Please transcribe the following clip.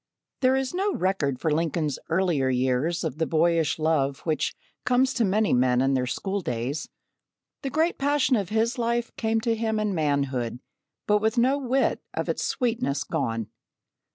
There is no record for Lincoln's earlier years of the boyish love which comes to many men in their school days. The great passion of his life came to him in manhood but with no whit of its sweetness gone.